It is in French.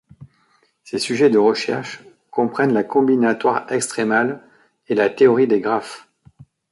Ses sujets de recherche comprennent la combinatoire extrémale et la théorie des graphes.